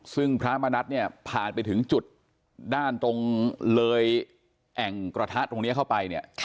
ซึ่งพระมณัฐเนี่ยผ่านไปถึงจุดด้านตรงเลยแอ่งกระทะตรงนี้เข้าไปเนี่ย